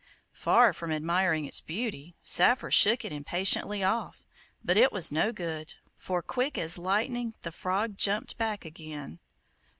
Far from admiring its beauty, Saphir shook it impatiently off; but it was no good, for quick as lightning the frog jumped back again.